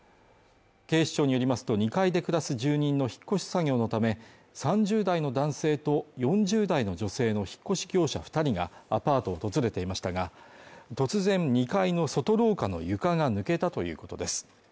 警視庁によりますと２階で暮らす住人の引越し作業のため、３０代の男性と４０代の女性の引越し業者２人がアパートを訪れていましたが、突然２階の外廊下の床が抜けたということです。